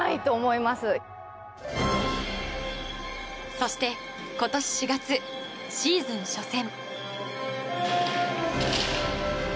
そして今年４月シーズン初戦。